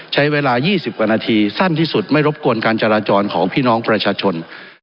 ใช้เวลา๒๐กว่านาทีสั้นที่สุดไม่รบกวนการจราจรของพี่น้องประชาชน